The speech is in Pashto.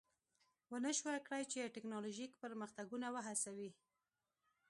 ونشوای کړای چې ټکنالوژیک پرمختګونه وهڅوي